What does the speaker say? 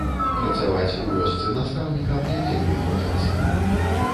Працаваць у вёсцы настаўнікам не вельмі хочацца.